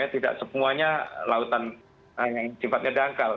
tidak semuanya lautan yang sifatnya dangkal